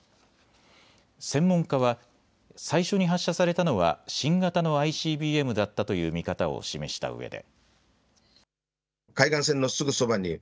専門家は最初に発射されたのは新型のＩＣＢＭだったという見方を示したうえで。